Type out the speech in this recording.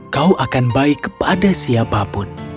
kau akan baik kepada siapapun